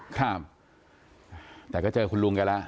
ครับแต่ก็เจอคุณลุงกันแล้ว